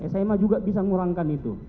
sma juga bisa ngurangkan itu